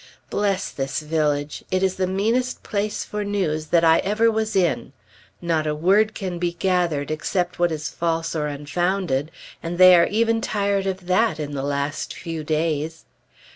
Bless this village! It is the meanest place for news that I ever was in. Not a word can be gathered, except what is false or unfounded; and they are even tired of that, in the last few days.